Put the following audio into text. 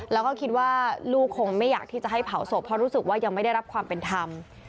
แล้วก็คิดว่าลูกคงไม่อยากที่จะให้เผาศพเพราะรู้สึกว่ายังไม่ได้รับความเป็นธรรม